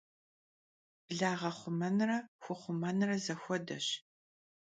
Blağe xhumenre xu xhumenre zexuedeş.